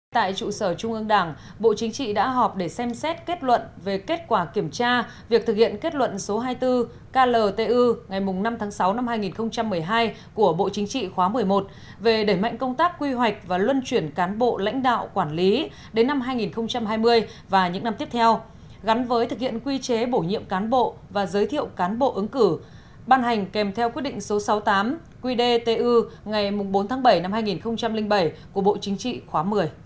tại trụ sở trung ương đảng bộ chính trị đã họp để xem xét kết luận về kết quả kiểm tra việc thực hiện kết luận số hai mươi bốn kltu ngày năm tháng sáu năm hai nghìn một mươi hai của bộ chính trị khóa một mươi một về đẩy mạnh công tác quy hoạch và luân chuyển cán bộ lãnh đạo quản lý đến năm hai nghìn hai mươi và những năm tiếp theo gắn với thực hiện quy chế bổ nhiệm cán bộ và giới thiệu cán bộ ứng cử ban hành kèm theo quyết định số sáu mươi tám qdtu ngày bốn tháng bảy năm hai nghìn bảy của bộ chính trị khóa một mươi